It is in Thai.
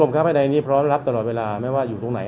ไปแร้งพี่ว่าตอนนี้มันฝนมาแล้วมั้งเนอะ